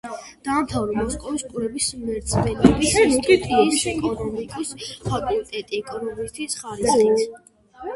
დაამთავრა მოსკოვის კვების მრეწველობის ინსტიტუტის ეკონომიკის ფაკულტეტი ეკონომისტის ხარისხით.